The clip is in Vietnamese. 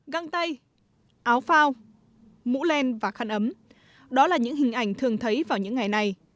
găng tay áo phao mũ len và khăn ấm đó là những hình ảnh thường thấy vào những ngày này